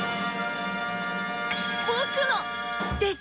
僕の！です！